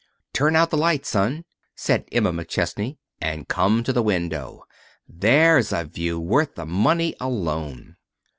"Turn out the light, son," said Emma McChesney, "and come to the window. There's a view! Worth the money, alone."